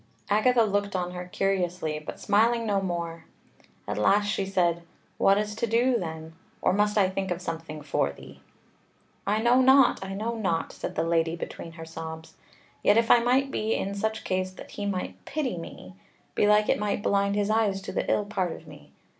Agatha looked on her curiously, but smiling no more. At last she said: "What is to do, then? or must I think of something for thee?" "I know not, I know not," said the Lady between her sobs; "yet if I might be in such case that he might pity me; belike it might blind his eyes to the ill part of me.